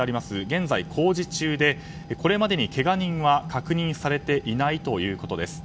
現在、工事中でこれ前にけが人は確認されていないということです。